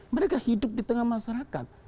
mereka hidup di tengah masyarakat